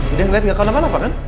udah ngeliat gak kena kena apa apa kan